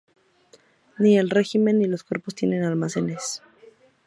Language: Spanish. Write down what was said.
Ni el regimiento ni los cuerpos tienen almacenes.